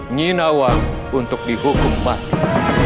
nyinawang untuk dihukum mati